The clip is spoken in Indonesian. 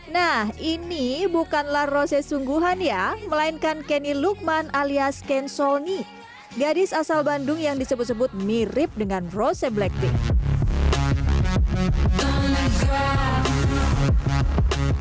nah ini bukanlah rose sungguhan ya melainkan kenny lukman alias ken solni gadis asal bandung yang disebut sebut mirip dengan rose blackpink